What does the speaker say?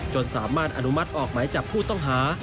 สามารถอนุมัติออกหมายจับผู้ต้องหา